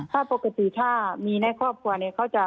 ถ้าปกติถ้ามีในครอบครัวนี้